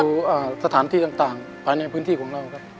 ใช่ครับคอยดูสถานที่ต่างภ้างในพื้นที่ของเราครับ